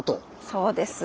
そうです。